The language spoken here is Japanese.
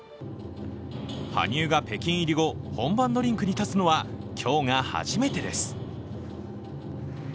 羽生が北京入り後、本番のリンクに立つのは今日が初めてです。